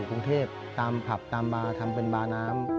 กรุงเทพตามผับตามบาร์ทำเป็นบาน้ำ